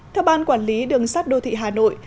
theo ban quản lý đường sắt đô thị hà nội